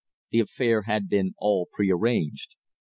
The affair had been all prearranged.